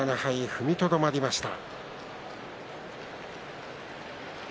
踏みとどまりました。